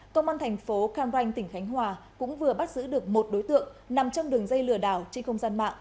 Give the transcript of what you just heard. công an thành phố cam ranh tỉnh khánh hòa cũng vừa bắt giữ được một đối tượng nằm trong đường dây lừa đảo trên không gian mạng